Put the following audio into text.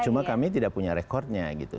cuma kami tidak punya rekodnya gitu